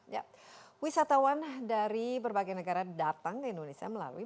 ya wisatawan dari berbagai negara datang ke indonesia melalui